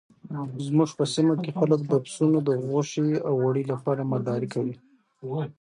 زموږ په سیمه کې خلک د پسونو د غوښې او وړۍ لپاره مالداري کوي.